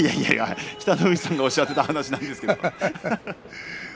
北の富士さんがおっしゃっていた話ですよ。